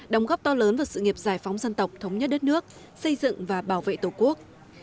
đóng góp to lớn vào sự nghiệp giải phóng dân tộc thống nhất đất nước xây dựng và bảo vệ tổ quốc